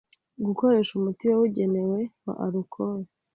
Gukoresha umuti wabugenewe wa Arukoro